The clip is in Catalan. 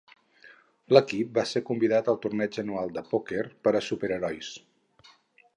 L'equip va ser convidat al torneig anual de pòquer per a superherois.